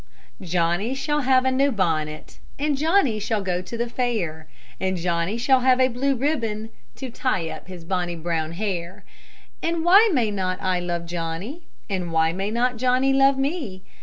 Johnny shall have a new bonnet, And Johnny shall go to the fair, And Johnny shall have a blue ribbon To tie up his bonny brown hair. And why may not I love Johnny? And why may not Johnny love me?